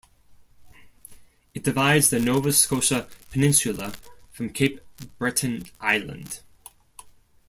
It divides the Nova Scotia peninsula from Cape Breton Island.